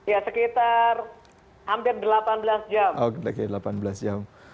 ya sekitar hampir delapan belas jam